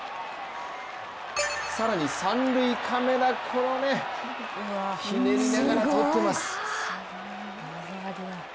更に３塁カメラ、この、ひねりながら捕っています。